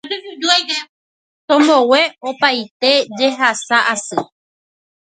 Tombogue opaite jehasa asy